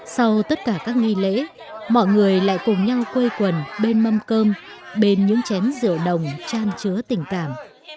sau tất cả các nghi lễ mọi người lại cùng nhau quây quần bên mâm cơm bên những chén rượu đồng tràn chứa tình cảm